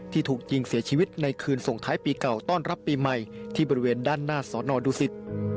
ถูกยิงเสียชีวิตในคืนส่งท้ายปีเก่าต้อนรับปีใหม่ที่บริเวณด้านหน้าสอนอดุสิต